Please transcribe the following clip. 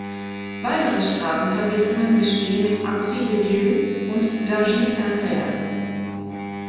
Weitere Straßenverbindungen bestehen mit Annecy-le-Vieux und Dingy-Saint-Clair.